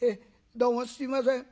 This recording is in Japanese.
どうもすいません。